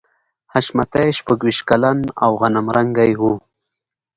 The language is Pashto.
حشمتي شپږویشت کلن او غنم رنګی و